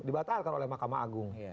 dibatalkan oleh makam agung